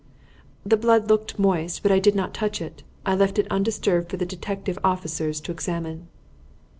"The blood looked moist, but I did not touch it. I left it undisturbed for the detective officers to examine."